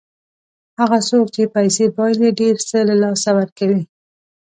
هغه څوک چې پیسې بایلي ډېر څه له لاسه ورکوي.